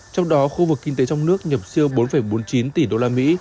trong đó khu vực kinh tế trong nước nhập siêu bốn bốn mươi chín tỷ usd